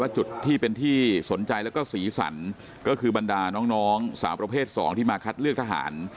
จุดที่เป็นที่สนใจแล้วก็สีสันก็คือบรรดาน้องสาวประเภท๒ที่มาคัดเลือกทหาร